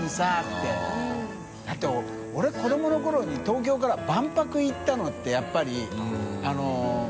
世辰堂子どもの頃に東京から万博行ったのってやっぱり个┐